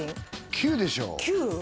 ９でしょ９？